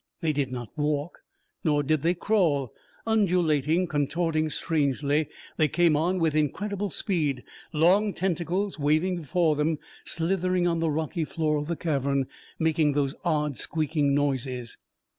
They did not walk, nor did they crawl. Undulating, contorting strangely, they came on with incredible speed, long tentacles waving before them; slithering on the rocky floor of the cavern; making those odd squeaking noises.